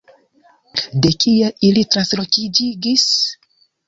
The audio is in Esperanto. De kie ili transloĝigis?